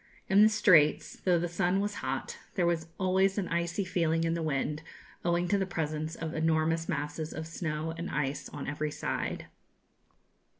In the Straits, though the sun was hot, there was always an icy feeling in the wind, owing to the presence of enormous masses of snow and ice on every side.